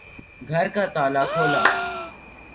گھر کا تالا کھولا